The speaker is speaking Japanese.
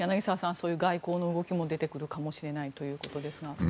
そういう外交の動きも出てくるかもしれないということですが。